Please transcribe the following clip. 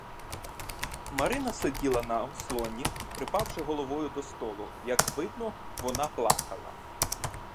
Марина сиділа на ослоні, припавши головою до столу; як видно, вона плакала.